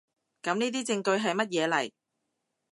噉呢啲證據喺乜嘢嚟？